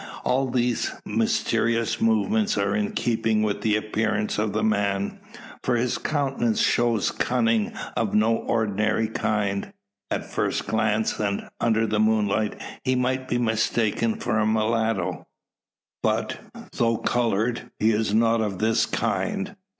All these mysterious movements are in keeping with the appearance of the man. For his countenance shows cunning of no ordinary kind. At first glance, and under the moonlight, he might be mistaken for a mulatto. But, though coloured, he is not of this kind.